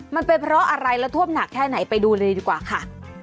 มันเป็นเพราะอะไรและท่วมหนักแค่ไหนไปดูเลยดีกว่าค่ะ